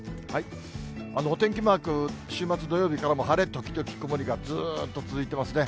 お天気マーク、週末土曜日からも晴れ時々曇りがずっと続いていますね。